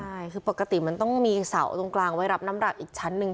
ใช่คือปกติมันต้องมีเสาตรงกลางไว้รับน้ำหนักอีกชั้นหนึ่ง